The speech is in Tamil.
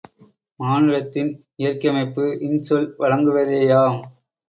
மானுடத்தின் இயற்கையமைப்பு இன்சொல் வழங்குவதேயாம்.